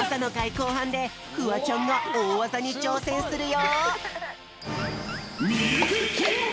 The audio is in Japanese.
こうはんでフワちゃんがおおわざにちょうせんするよ！